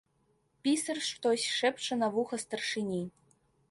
Пісар штось шэпча на вуха старшыні.